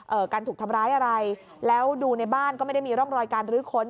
การถูกทำร้ายอะไรแล้วดูในบ้านก็ไม่ได้มีร่องรอยการรื้อค้น